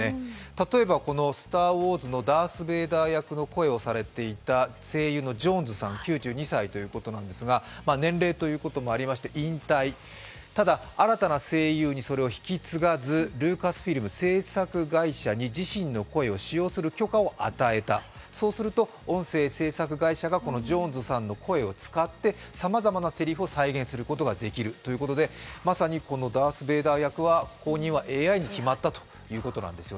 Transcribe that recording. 例えば「スター・ウォーズ」のダース・ベイダー役の声をされていた声優のジョーンズさん９２歳ということなんですが年齢ということもあって引退、ただ新たな声優にそれを引き継がずルーカスフィルム、製作会社に自身の声を使用する許可を与えたそうすると音声制作会社がジョーンズさんの声を使ってさまざまなせりふを再現することができるということでまさにダース・ベイダー役は後任はＡＩに決まったということなんです。